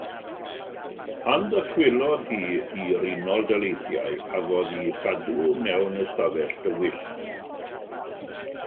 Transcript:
Pan ddychwelodd hi i'r Unol Daleithiau, cafodd ei chadw mewn ystafell dywyll.